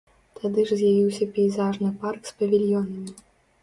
Тады ж з'явіўся пейзажны парк з павільёнамі.